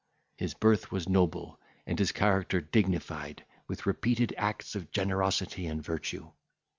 His birth was noble, and his character dignified with repeated acts of generosity and virtue.